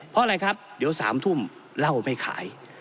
เพราะอะไรครับเดี๋ยว๓ทุ่มเหล้าไม่ขาย